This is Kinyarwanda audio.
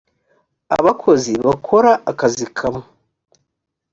abakozi bakora akazi kamwe.